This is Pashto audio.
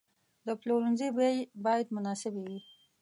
د پلورنځي بیې باید مناسبې وي.